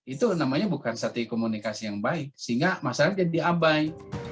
itu namanya bukan satu komunikasi yang baik sehingga masyarakat jadi abai